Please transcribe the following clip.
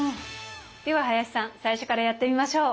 では林さん最初からやってみましょう。